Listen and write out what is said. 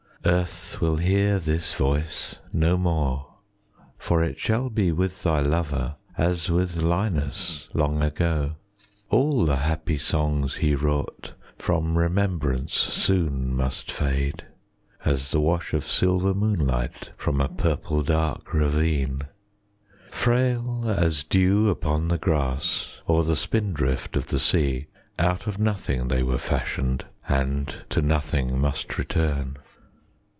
Earth will hear this voice no more; 10 For it shall be with thy lover As with Linus long ago. All the happy songs he wrought From remembrance soon must fade, As the wash of silver moonlight 15 From a purple dark ravine. Frail as dew upon the grass Or the spindrift of the sea, Out of nothing they were fashioned And to nothing must return.